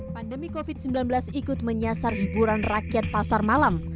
pandemi covid sembilan belas ikut menyasar hiburan rakyat pasar malam